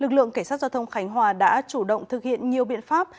lực lượng cảnh sát giao thông khánh hòa đã chủ động thực hiện nhiều biện pháp